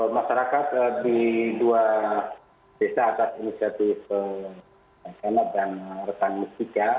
masyarakat di dua desa akan inisiatif dan rekan musika